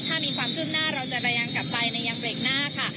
ถ้ามีความคืบหน้าเราจะรายงานกลับไปในยังเบรกหน้าค่ะ